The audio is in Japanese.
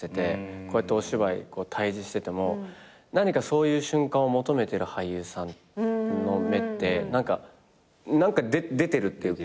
こうやってお芝居対峙してても何かそういう瞬間を求めてる俳優さんの目って何か出てるっていうか。